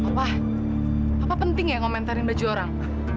papa papa penting ya ngomentarin baju orang